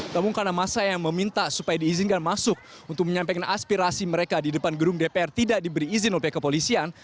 namun karena masa yang meminta supaya diizinkan masuk untuk menyampaikan aspirasi mereka di depan gedung dpr tidak diberi izin oleh pihak kepolisian